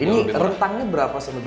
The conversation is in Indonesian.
ini rentangnya berapa